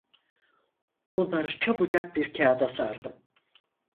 Bunları çabucak bir kâğıda sardım.